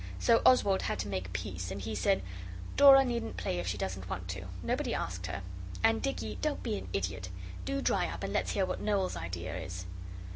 So Oswald had to make peace, and he said 'Dora needn't play if she doesn't want to. Nobody asked her. And, Dicky, don't be an idiot: do dry up and let's hear what Noel's idea is.